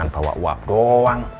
bawa uap doang